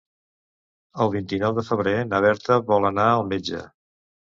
El vint-i-nou de febrer na Berta vol anar al metge.